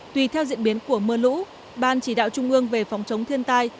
tùy theo diễn biến của mưa lũ ban chỉ đạo trung ương về phòng chống thiên tai